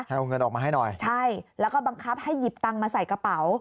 เอาเงินออกมาให้หน่อยใช่แล้วก็บังคับให้หยิบตังค์มาใส่กระเป๋า